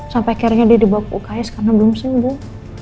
sampai akhirnya dia dibawa ke uks karena belum sembuh